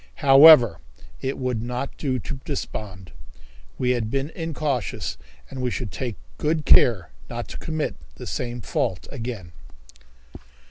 However, it would not do to despond. We had been incautious, and we should take good care not to commit the same fault again.